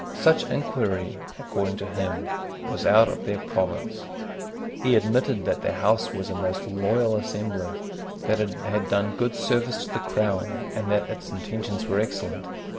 Such inquiry, according to him, was out of their province. He admitted that the House was a most loyal assembly, that it had done good service to the crown, and that its intentions were excellent.